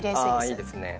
あいいですね。